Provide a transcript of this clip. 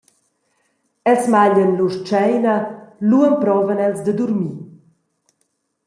Els maglian lur tscheina, lu emprovan els da durmir.